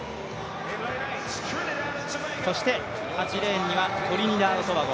そして８レーンにはトリニダード・トバゴ。